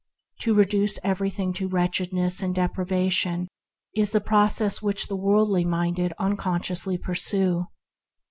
To reduce everything to wretchedness and de privation is the process that the worldly minded unconsciously pursue.